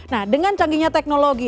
nah dengan canggihnya teknologi